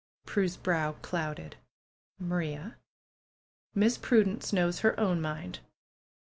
Prue's brow clouded. Maria, Miss Prudence knows her own mind."